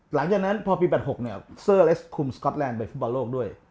หลังจากนั้นพอปี๘๖เนี่ยเซอร์เลสคุมสก๊อตแลนดไปฟุตบอลโลกด้วย